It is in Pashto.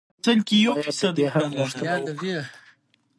باید د دې حق غوښتنه وکړو.